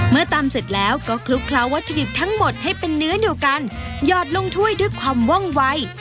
ตำเสร็จแล้วก็คลุกเคล้าวัตถุดิบทั้งหมดให้เป็นเนื้อเดียวกันหยอดลงถ้วยด้วยความว่องวัย